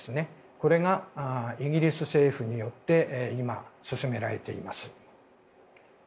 これがイギリス政府によって今、進められています。